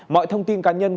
mọi thông tin cá nhân